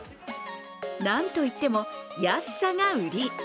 なんといっても安さがウリ。